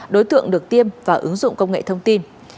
đối tượng được tiêm và ứng dụng công nghệ thông tin